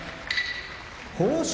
豊昇